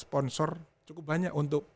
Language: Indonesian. sponsor cukup banyak untuk